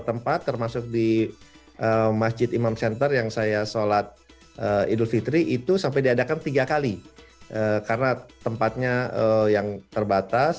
tempatnya yang terbatas